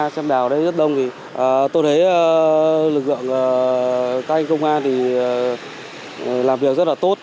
xem đào ở đây rất đông tôi thấy lực lượng các anh công an làm việc rất là tốt